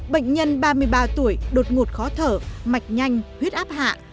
bệnh nhân ba mươi ba tuổi đột ngột khó thở mạch nhanh huyết áp hạ